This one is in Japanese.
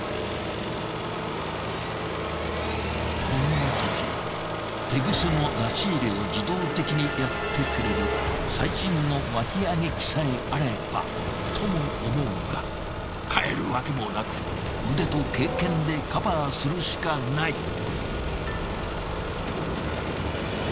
こんなときテグスの出し入れを自動的にやってくれる最新の巻き上げ機さえあればとも思うが買えるわけもなく腕と経験でカバーするしかない。